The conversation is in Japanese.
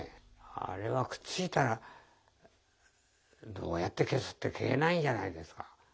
あれはくっついたらどうやって消すって消えないんじゃないですか。